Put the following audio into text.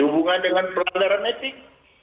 hubungan dengan peranggaran etik